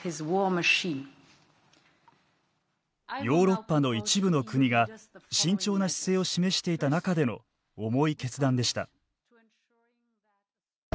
ヨーロッパの一部の国が慎重な姿勢を示していた中での重い決断でした。